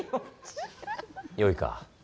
よいか。